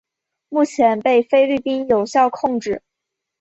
目前被菲律宾有效控制。